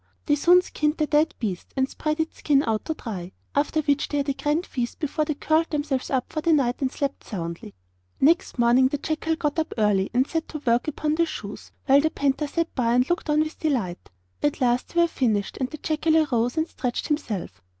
They soon skinned the dead beasts, and spread its skin out to dry, after which they had a grand feast before they curled themselves up for the night, and slept soundly. Next morning the jackal got up early and set to work upon the shoes, while the panther sat by and looked on with delight. At last they were finished, and the jackal arose and stretched himself.